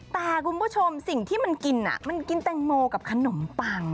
แต่คุณผู้ชมสิ่งที่มันกินมันกินแตงโมกับขนมปัง